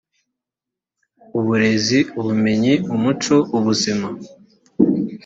uburezi ubumenyi umuco ubuzima